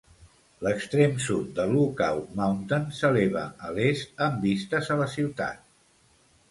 L'extrem sud de Lookout Mountain s'eleva a l'est amb vistes a la ciutat.